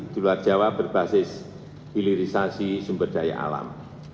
di luar jawa berbasis hilirisasi sumber daya alam